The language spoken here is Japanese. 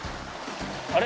あれ？